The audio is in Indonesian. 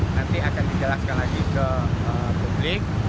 nanti akan dijelaskan lagi ke publik